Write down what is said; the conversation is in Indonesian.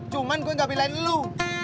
cuman gue gak belain lu